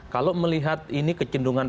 kalau melihat ini kecendungan